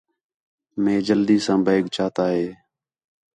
مَئے جلدی ساں بیگ چاتا ہِے